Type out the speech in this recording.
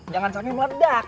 jangan sampe meledak